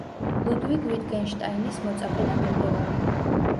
ლუდვიგ ვიტგენშტაინის მოწაფე და მიმდევარი.